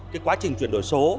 cái quá trình chuyển đổi số